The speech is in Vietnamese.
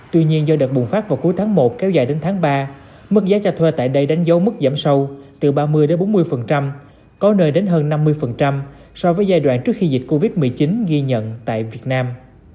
tuy nhiên do đợt bùng phát vào cuối tháng một kéo dài đến tháng ba mức giá cho thuê tại đây đánh dấu mức giảm sâu từ ba mươi bốn mươi có nơi đến hơn năm mươi so với giai đoạn trước khi dịch covid một mươi chín ghi nhận tại việt nam